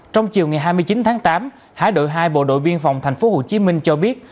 trong chiều ngày hai mươi chín tháng tám hải đội hai bộ đội biên phòng thành phố hồ chí minh cho biết